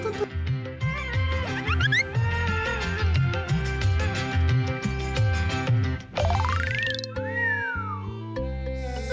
keren kali ya